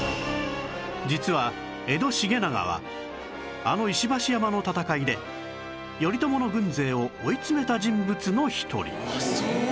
実は江戸重長はあの石橋山の戦いで頼朝の軍勢を追い詰めた人物の一人